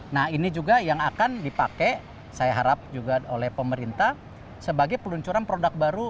nah ini juga yang akan dipakai saya harap juga oleh pemerintah sebagai peluncuran produk baru